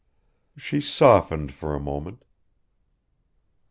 She softened for a moment.